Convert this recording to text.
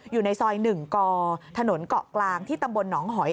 อยู่ในซอย๑กถนนเกาะกลางที่ตำบลหนองหอย